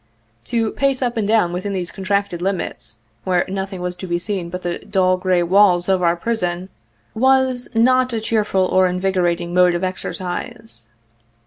To pace up and down within these contracted limits, where nothing was to be seen but the dull, gray walls of our prison was not a cheerful or invigorating mode of exercise.